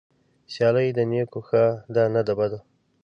سيالي د نيکو ښه ده نه د بدو.